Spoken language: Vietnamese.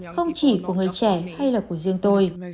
không chỉ của người trẻ hay là của riêng tôi